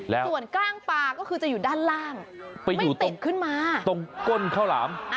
ส่วนกล้างปลาก็คือจะอยู่ด้านล่างไปอยู่ติดขึ้นมาตรงก้นข้าวหลาม